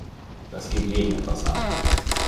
Das geht jeden etwas an.